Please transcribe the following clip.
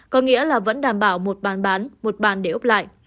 có nghĩa là vẫn đảm bảo một bàn bán một bàn để ốc lại